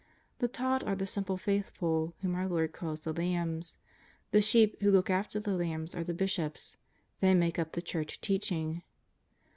The taught arc the simple faithful, whom our Lord calls the lambs ; the sheep who look after the lambs are the bishops; they make up the Church teaching.